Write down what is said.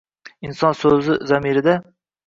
Inson soʼzi zamirida